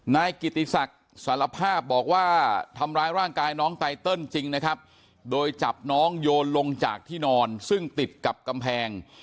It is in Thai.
นายกิติศักดิ์สารภาพบอกว่าทำร้ายร่างกายน้องไตเติลจริงนะครับโดยจับน้องโยนลงจากที่นอนซึ่งติดกับกำแพง